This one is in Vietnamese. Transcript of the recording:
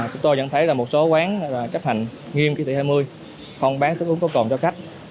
chúng tôi nhận thấy là một số quán chấp hành nghiêm kỳ thị hai mươi không bán thức uống có cồn cho khách